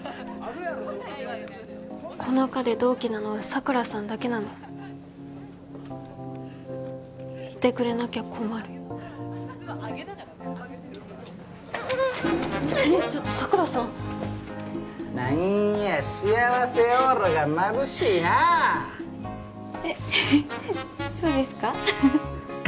この科で同期なのは佐倉さんだけなのいてくれなきゃ困るうんねえちょっと佐倉さん何や幸せオーラがまぶしいなえっふふ